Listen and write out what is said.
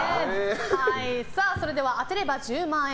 それでは当てれば１０万円！